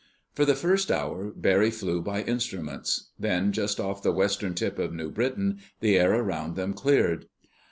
For the first hour Barry flew by instruments. Then, just off the western tip of New Britain, the air about them cleared.